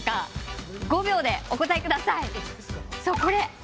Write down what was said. ５秒でお答えください。